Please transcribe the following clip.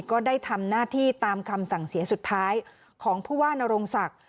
ก็ได้ทำหน้าที่ตามคำสั่งเสียสุดท้ายของผู้ว่านโรงศักดิ์